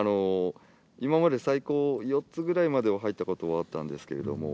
今まで最高４つぐらいまでは入ったことはあったんですけれども。